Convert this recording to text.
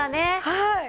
はい。